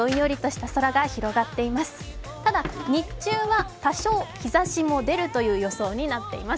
ただ日中は多少、日ざしも出るという予想になっています。